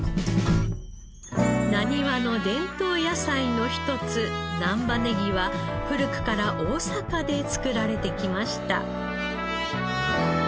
なにわの伝統野菜の一つ難波ネギは古くから大阪で作られてきました。